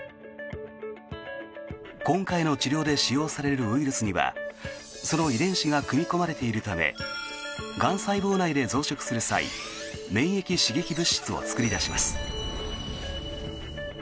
今回の治療で使用されるウイルスにはその遺伝子が組み込まれているためがん細胞内で増殖する際免疫刺激物質を作り出します。